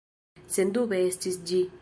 Sendube estis ĝi.